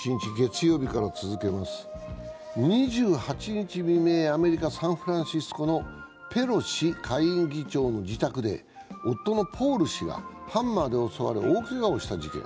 ２８日未明、アメリカ・サンフランシスコのペロシ下院議長の自宅で夫のポール氏がハンマーで襲われ大けがをした事件。